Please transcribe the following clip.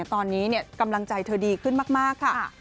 ตอนนี้กำลังใจเธอดีขึ้นมากค่ะ